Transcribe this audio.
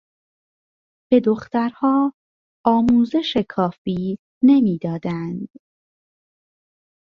به دخترها آموزش کافی نمیدادند.